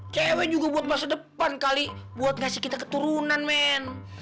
cewek juga buat masa depan kali buat ngasih kita keturunan men